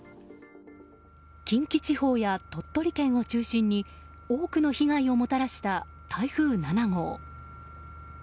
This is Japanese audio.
近畿地方や鳥取県を中心に多くの被害をもたらした台風７号。